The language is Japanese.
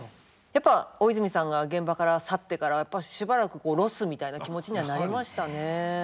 やっぱ大泉さんが現場から去ってからやっぱしばらくロスみたいな気持ちにはなりましたね。